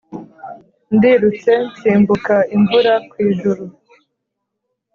ndirutse nsimbuka imvura kw’ijuru,